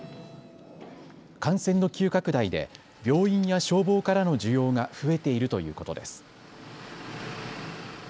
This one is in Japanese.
感染の急拡大で病院や消防からの需要が増えているということです。